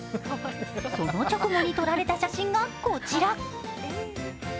その直後に撮られた写真がこちら。